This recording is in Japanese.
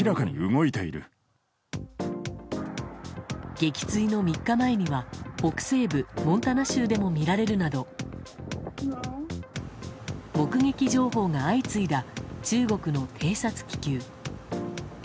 撃墜の３日前には北西部モンタナ州でも見られるなど目撃情報が相次いだ中国の偵察気球。